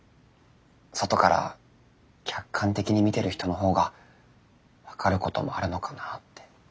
外から客観的に見てる人のほうが分かることもあるのかなって。